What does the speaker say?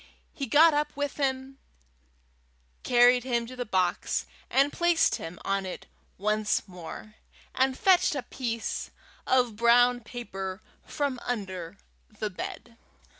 He got up with him, carried him to the box, placed him on it once more, and fetched a piece of brown paper from under the bed.